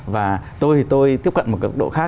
và tôi thì tôi tiếp cận một cấp độ khác